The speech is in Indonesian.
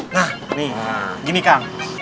nah ini gini kang